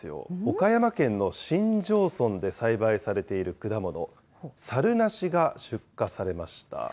岡山県の新庄村で栽培されている果物、サルナシが出荷されました。